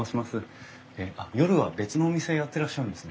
え夜は別のお店やってらっしゃるんですね。